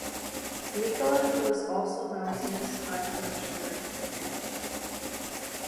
Micallef was also Maltese High Commissioner to Canada.